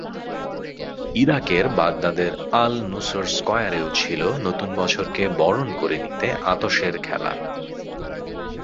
ইরাকের বাগদাদের আল-নুসোর স্কয়ারেও ছিল নতুন বছরকে বরণ করে নিতে আতশের খেলা।